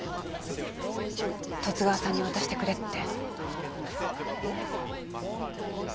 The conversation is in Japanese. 十津川さんに渡してくれって。